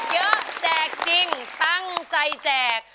แจกจริงตั้งใจแจก